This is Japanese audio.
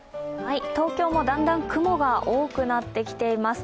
東京もだんだん雲が多くなってきています。